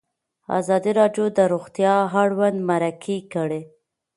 ازادي راډیو د روغتیا اړوند مرکې کړي.